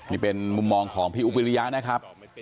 นี่เป็นมุมมองของพี่อุ๊บวิริยะนะครับ